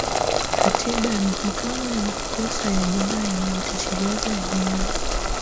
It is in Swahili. katiba ya mahakama ya makosa ya jinai inajitosheleza yenyewe